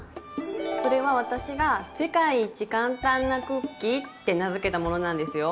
それは私が「世界一簡単なクッキー」って名付けたものなんですよ。